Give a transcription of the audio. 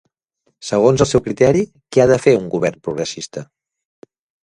Segons el seu criteri, què ha de fer un govern progressista?